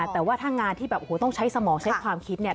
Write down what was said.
แต่ว่าถ้างานที่แบบโอ้โหต้องใช้สมองใช้ความคิดเนี่ย